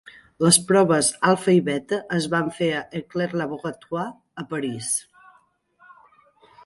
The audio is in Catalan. Les proves alfa i beta es van fer a Eclair Laboratoires a París.